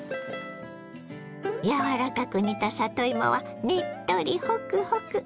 柔らかく煮た里芋はねっとりホクホク。